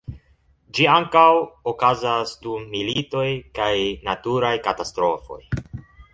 Ĝi ankaŭ okazas dum militoj kaj naturaj katastrofoj.